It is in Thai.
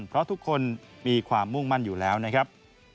เพราะทุกคนมีความมุ่งมั่นอยู่แล้วนะครับ